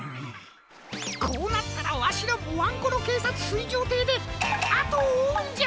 こうなったらわしらもワンコロけいさつすいじょうていであとをおうんじゃ！